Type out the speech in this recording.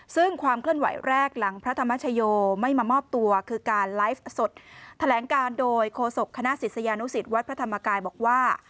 ซึ่งความเคลื่อนไหวแรกหลังพระธรรมชโยไม่มามอบตัวคือการไลฟ์สดแถลงการโดยโคศกคณะศิษยานุสิตวัดพระธรรมกายบอกว่า